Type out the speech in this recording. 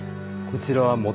こちらは今。